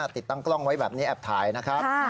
ติดตั้งกล้องไว้แบบนี้แอบถ่ายนะครับ